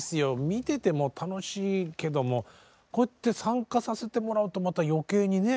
見てても楽しいけどもこうやって参加させてもらうとまた余計にね